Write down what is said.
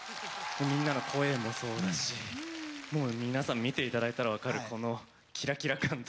みんなの声もそうだし皆さん見ていただいたら分かるこのキラキラ感と。